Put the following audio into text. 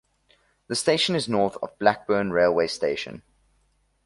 The station is north of Blackburn railway station.